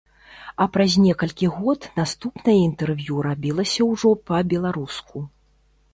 А праз некалькі год наступнае інтэрв'ю рабілася ўжо па-беларуску.